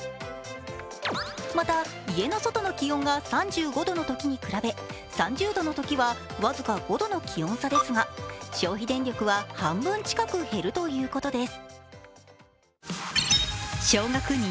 また、家の外の気温が３５度のときに比べ３０度のときは僅か５度の気温差ですが、消費電力は半分近く減るということです。